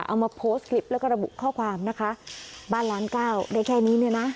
เอามาโพสต์คลิปแล้วก็ระบุข้อความนะคะบ้านล้านเก้าได้แค่นี้เนี่ยนะ